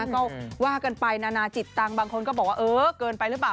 ก็ว่ากันไปนานาจิตตังค์บางคนก็บอกว่าเออเกินไปหรือเปล่า